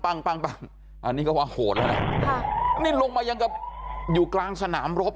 ปั้งปั้งอันนี้ก็ว่าโหดแล้วนะนี่ลงมายังกับอยู่กลางสนามรบ